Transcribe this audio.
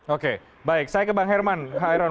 oke baik saya ke bang herman